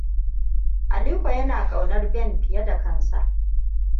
Aliko yana ƙaunar Ben fiye da kansa.